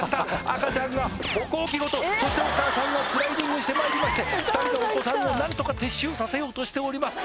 赤ちゃんが歩行器ごとそしてお母さんはスライディングしてまいりまして２人のお子さんを何とか撤収させようとしております